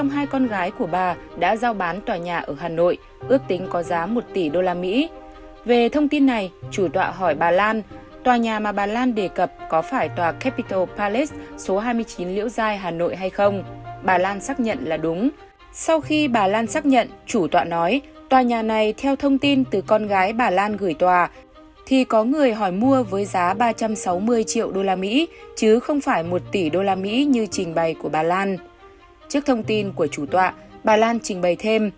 hãy đăng ký kênh để ủng hộ kênh của chúng mình nhé